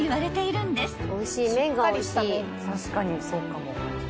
確かにそうかも。